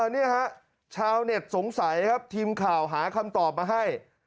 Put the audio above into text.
นี่ฮะชาวเน็ตสงสัยครับทีมข่าวหาคำตอบมาให้